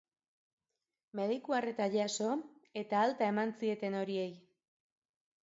Mediku arreta jaso eta alta eman zieten horiei.